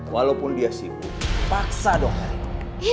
walaupun dia sibuk paksa dong hari